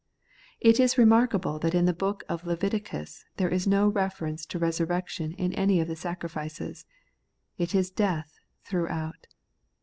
It is remarkable that in the book of Leviticus there is no reference to resurrection in any of the sacrifices. It is death throughout.